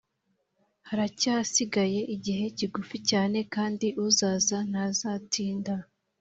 Haracyasigaye igihe kigufi cyane Kandi uzaza ntazatinda